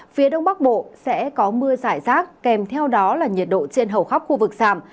phía đông bắc bộ sẽ có mưa giải rác kèm theo đó là nhiệt độ trên hầu khắp khu vực giảm